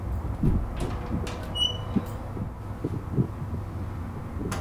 二甲苯蓝和溴酚蓝也常被用于该用途。